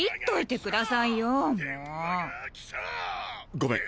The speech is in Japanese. ごめん。